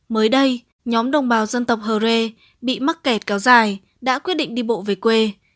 mới đây nhóm đồng bào dân tộc hờ rê bị mắc kẹt kéo dài đã quyết định đi bộ về quê